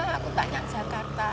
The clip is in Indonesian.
saya tanya di jakarta